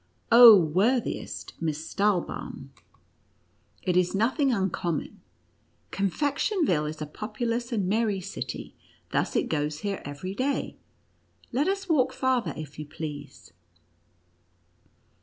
" Oh, worthiest Miss Stahlbaum, it is nothing uncom 120 NUTCRACKER AND MOUSE KING. mon. Confectionville is a populous and merry city ; thus it goes here every day. Let us walk farther, if you please."